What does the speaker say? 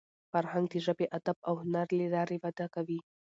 فرهنګ د ژبي، ادب او هنر له لاري وده کوي.